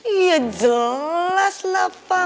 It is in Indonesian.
iya jelas lah pa